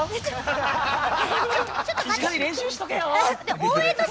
しっかり練習しておけよ！